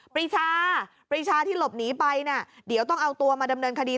ปรีชาปรีชาที่หลบหนีไปน่ะเดี๋ยวต้องเอาตัวมาดำเนินคดี